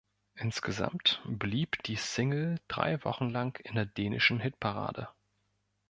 Insgesamt blieb die Single drei Wochen lang in der dänischen Hitparade.